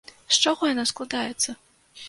З чаго яна складаецца?